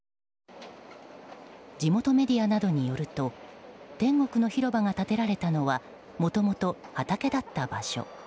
地元メディアなどによると天国の広場が建てられたのはもともと畑だった場所。